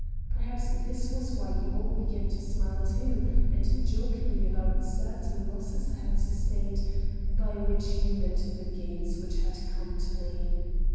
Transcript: Perhaps this was why you all began to smile too, and joke me about certain losses I had sustained, by which you meant the gains which had come to me.